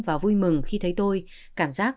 và vui mừng khi thấy tôi cảm giác